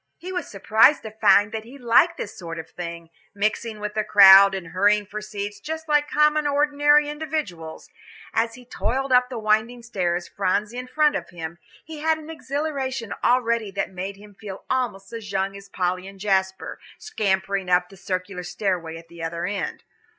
He was surprised to find that he liked this sort of thing, mixing with a crowd and hurrying for seats just like common ordinary individuals. And as he toiled up the winding stairs, Phronsie in front of him, he had an exhilaration already that made him feel almost as young as Polly and Jasper, scampering up the circular stairway at the other end.